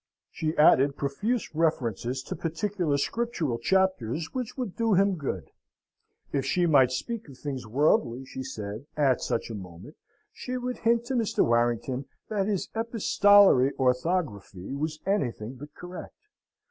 She added profuse references to particular Scriptural chapters which would do him good. If she might speak of things worldly, she said, at such a moment, she would hint to Mr. Warrington that his epistolary orthography was anything but correct.